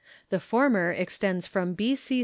The former extends from B.C.